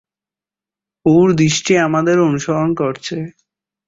ওর দৃষ্টি আমাদের অনুসরণ করছে।